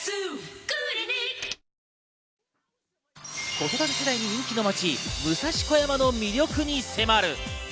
子育て世代に人気の街、武蔵小山の魅力に迫る。